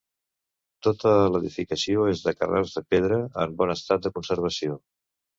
Tota l'edificació és de carreus de pedra, en bon estat de conservació.